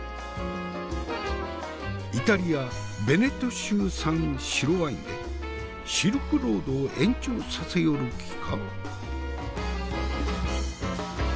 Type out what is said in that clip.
イタリア・ヴェネト州産白ワインでシルクロードを延長させよる気か？